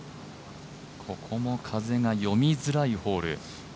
ここも風が読みづらいホール。